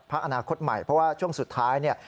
พักอาณาคตใหม่เพราะว่าช่วงสุดท้าย